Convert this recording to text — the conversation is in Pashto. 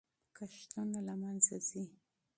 کښتونه له منځه ځي.